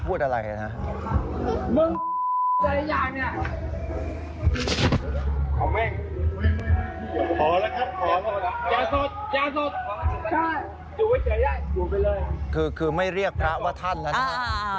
คือไม่เรียกพระว่าท่านแล้วนะฮะ